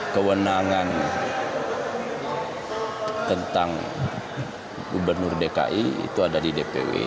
kewenangan tentang gubernur dki itu ada di dpw